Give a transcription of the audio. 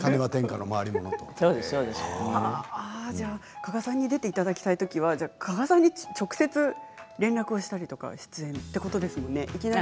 加賀さんに出てもらいたいときは加賀さんに直接連絡したりということですものね。